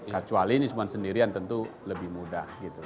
kecuali ini cuma sendirian tentu lebih mudah gitu